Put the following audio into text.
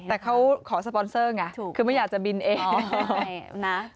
แต่เขาขอสปอนเซอร์ไงถูกคือไม่อยากจะบินเองนะ